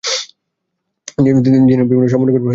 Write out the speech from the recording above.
যিনি সমন্বয়ক গ্রুপের প্রধান ছিলেন।